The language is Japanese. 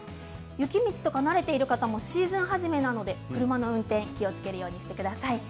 雪道とか慣れている方もシーズン始めなので車の運転、気をつけるようにしてください。